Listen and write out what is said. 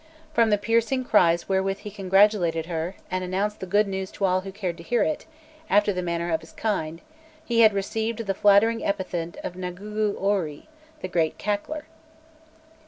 From the piercing cries wherewith he congratulated her, and announced the good news to all who cared to hear it after the manner of his kind he had received the flattering epithet of Ngagu oîrû, the Great Cack ler.